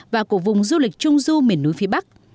và của vùng du lịch trung du miền núi phía bắc